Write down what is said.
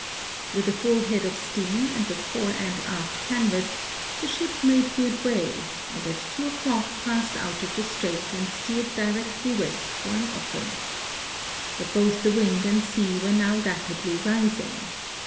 With a full head of steam and the fore and aft canvas the ship made good way, and at 2 o'clork passed out of the strait and steered directly west for an oiling. But both the wind and sea were now rai)idly rising.